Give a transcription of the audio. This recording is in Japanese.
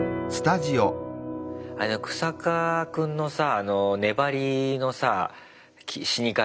あのクサカ君のさ粘りのさ死に方。